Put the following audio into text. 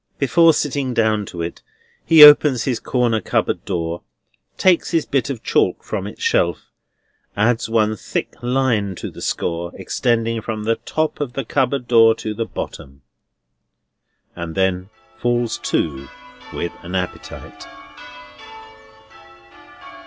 Before sitting down to it, he opens his corner cupboard door; takes his bit of chalk from its shelf; adds one thick line to the score, extending from the top of the cupboard door to the bottom; and then falls to with an appetite.